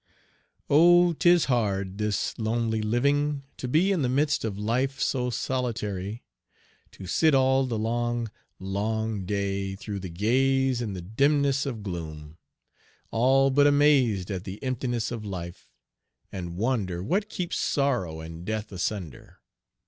Oh! 'tis hard, this lonely living, to be In the midst of life so solitary, To sit all the long, long day through and gaze In the dimness of gloom, all but amazed At the emptiness of life, and wonder What keeps sorrow and death asunder.